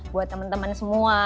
buat teman teman semua